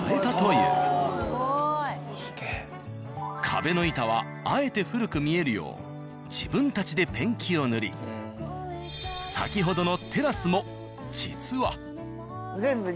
壁の板はあえて古く見えるよう自分たちでペンキを塗り先ほどのテラスも実は。